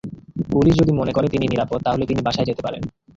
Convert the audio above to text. Police যদি মনে করে তিনি নিরাপদ, তাহলে তিনি বাসায় যেতে পারেন।